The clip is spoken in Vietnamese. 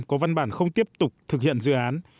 có văn bản không tiếp tục thực hiện dự án